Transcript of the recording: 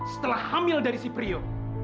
setelah hamil dari si priok